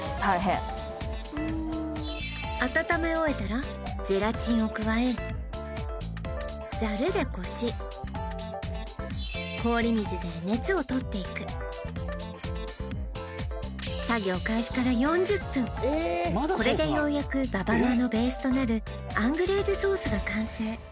温め終えたらゼラチンを加えザルでこし作業開始から４０分これでようやくババロアのベースとなるアングレーズソースが完成